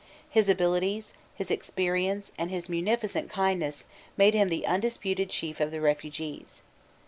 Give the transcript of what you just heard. His abilities, his experience and his munificent kindness, made him the undisputed chief of the refugees.